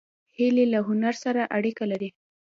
هیلۍ له هنر سره اړیکه لري